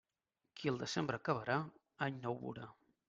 Qui el desembre acabarà, any nou vorà.